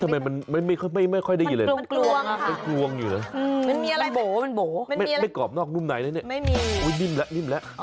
มันไม่ค่อยได้เห็นเลยนะครับมันกลวงอยู่แล้วมันโบ๋ไม่กรอบนอกนุ่มในนะเนี่ยอุ๊ยนิ่มแล้วนิ่มแล้ว